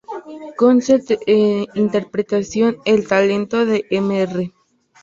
Con su interpretación en "El talento de Mr.